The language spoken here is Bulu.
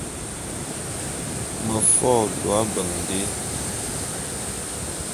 Me fo’o lo ábeñ dé.